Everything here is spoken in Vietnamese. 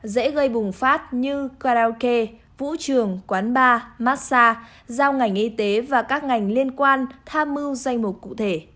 dễ gây bùng phát như karaoke vũ trường quán bar massage giao ngành y tế và các ngành liên quan tham mưu danh mục cụ thể